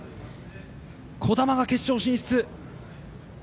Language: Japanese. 児玉が決勝進出。